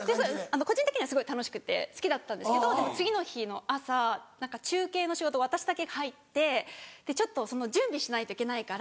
個人的にはすごい楽しくて好きだったんですけどでも次の日の朝中継の仕事私だけが入ってその準備しないといけないから。